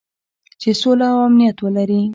چې سوله او امنیت ولري.